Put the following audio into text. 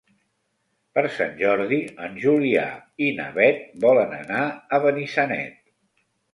Per Sant Jordi en Julià i na Beth volen anar a Benissanet.